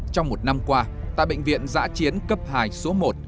trong một năm qua tại bệnh viện giã chiến cấp hai số một